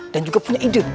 dan juga punya ide